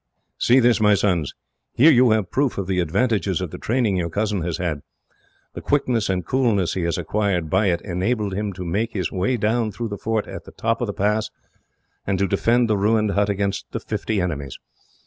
"See this, my sons. Here you have a proof of the advantages of the training your cousin has had. The quickness and coolness he has acquired, by it, enabled him to make his way down through the fort at the top of the pass, and to defend the ruined hut against fifty enemies.